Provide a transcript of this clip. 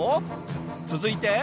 続いて。